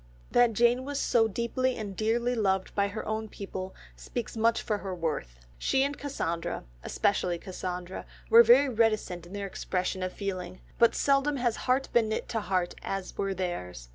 That Jane was so deeply and dearly loved by her own people speaks much for her worth. She and Cassandra, especially Cassandra, were very reticent in their expression of feeling, but seldom has heart been knit to heart as were theirs.